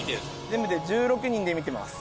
全部で１６人で見てます。